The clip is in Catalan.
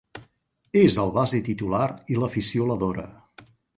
És el base titular i l'afició l'adora.